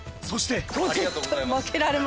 そして。